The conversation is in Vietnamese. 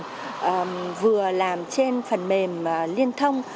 vừa làm trên phần mềm liên thông vừa làm trên phần mềm liên thông vừa làm trên phần mềm liên thông